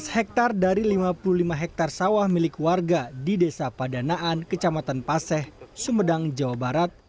empat belas hektare dari lima puluh lima hektare sawah milik warga di desa padanaan kecamatan paseh sumedang jawa barat